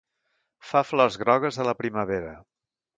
Fa flors grogues a la primavera.